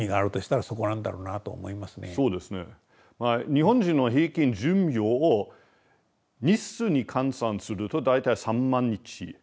日本人の平均寿命を日数に換算すると大体３万日だと思うんですね。